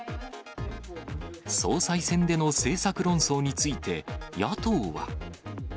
総裁選での政策論争について、野党は。